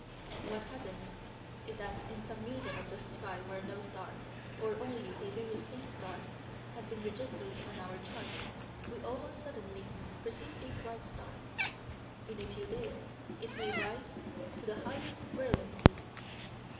What happens is that in some region of the sky where no star, or only a very faint star, had been registered on our charts, we almost suddenly perceive a bright star. In a few days it may rise to the highest brilliancy.